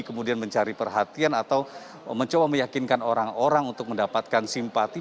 kemudian mencari perhatian atau mencoba meyakinkan orang orang untuk mendapatkan simpati